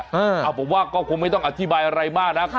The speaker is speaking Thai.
เอาผมว่าก็คงไม่ต้องอธิบายอะไรมากนะ